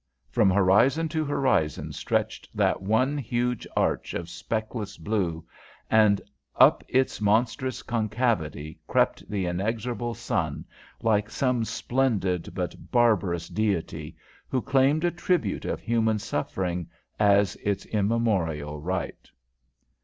From horizon to horizon stretched that one hugh arch of speckless blue, and up its monstrous concavity crept the inexorable sun, like some splendid but barbarous deity, who claimed a tribute of human suffering as his immemorial right.